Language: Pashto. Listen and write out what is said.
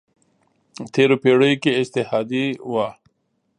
تېرو پېړیو کې اجتهادي وه.